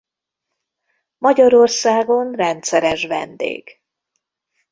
Magyarországon rendszeres vendég.